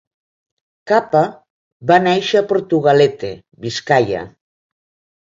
Capa va néixer a Portugalete, Biscaia.